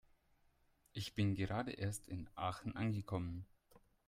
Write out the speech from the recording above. Ich bin gerade erst in Aachen angekommen